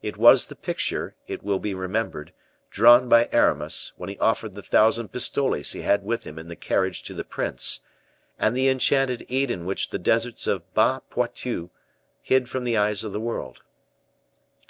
It was the picture, it will be remembered, drawn by Aramis, when he offered the thousand pistoles he had with him in the carriage to the prince, and the enchanted Eden which the deserts of Bas Poitou hid from the eyes of the world.